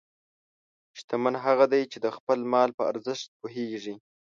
شتمن هغه دی چې د خپل مال په ارزښت پوهېږي.